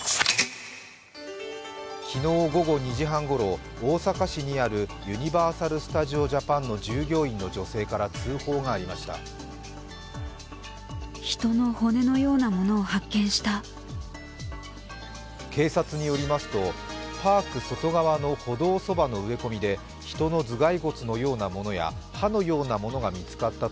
昨日午後２時半ごろ、大阪市にあるユニバーサル・スタジオ・ジャパンの従業員の女性から通報がありました。